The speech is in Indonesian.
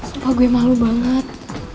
sumpah gue malu banget